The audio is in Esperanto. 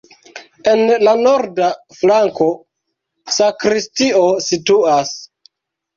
En la norda flanko sakristio situas.